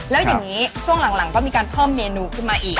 แล้วอย่างนี้ช่วงหลังก็มีการเพิ่มเมนูขึ้นมาอีก